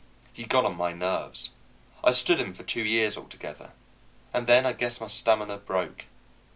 He got on my nerves. I stood him for two years altogether, and then I guess my stamina broke.